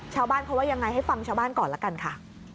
ชาวบ้านเขาว่ายังไงให้ฟังชาวบ้านก่อนละกันค่ะ